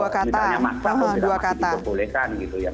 kalau misalnya masak itu masih diperbolehkan gitu ya